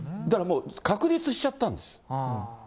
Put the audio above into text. だから確立しちゃったんです。